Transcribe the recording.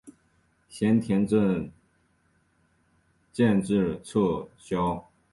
咸田镇建制撤销。